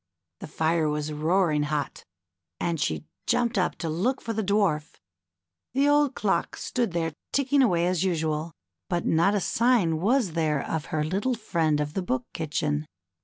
The fire was roaring hot, and she jumped up to look for the Dwarf. The old clock stood there ticking away as usual, but not a sign was there of her little friend of the Book Kitchen.